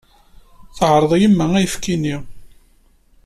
Teɛreḍ yemma ayefki-nni.